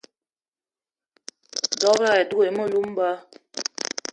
Dob-ro ayi dougni melou meba.